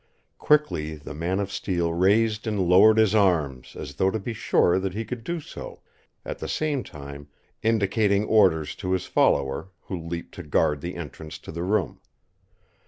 Quickly the man of steel raised and lowered his arms, as though to be sure that he could do so, at the same time indicating orders to his follower, who leaped to guard the entrance to the room.